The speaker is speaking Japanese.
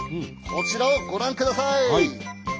こちらをご覧ください。